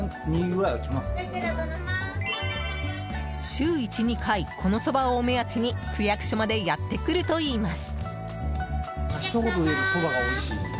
週１２回このそばをお目当てに区役所までやってくるといいます。